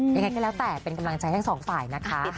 ยังไงก็แล้วแต่เป็นกำลังใจทั้งสองฝ่ายนะคะ